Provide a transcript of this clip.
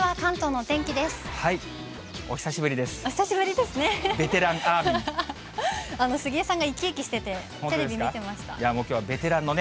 お久しぶりですね。